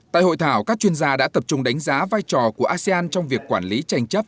tại hội thảo các chuyên gia đã tập trung đánh giá vai trò của asean trong việc quản lý tranh chấp